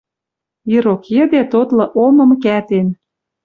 Ирок йӹде тотлы омым кӓтен